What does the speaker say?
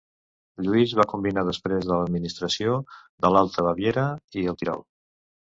Lluís va combinar després de l'administració de l'Alta Baviera i el Tirol.